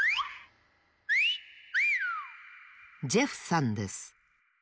ジェフさんです。